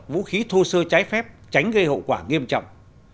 vũ khí thô sơ trái phép tránh gây hậu quả nghiêm trọng